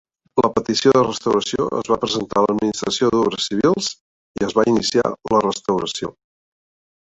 La petició de restauració es va presentar a l'Administració d'Obres Civils i es va iniciar la restauració.